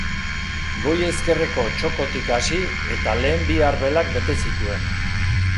Goi ezkerreko txoko tik hasi eta lehen bi arbelak bete zituen.